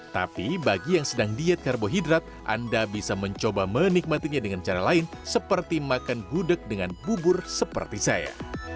tapi bagi yang sedang diet karbohidrat anda bisa mencoba menikmatinya dengan cara lain seperti makan gudeg dengan bubur seperti saya